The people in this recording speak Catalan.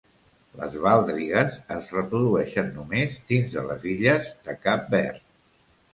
Les baldrigues es reprodueixen només dins de les Illes de Cap Verd.